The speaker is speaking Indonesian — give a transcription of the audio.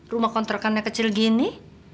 rumah kontrakannya kecil gini